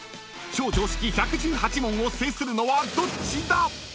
［超常識１１８問を制するのはどっちだ⁉］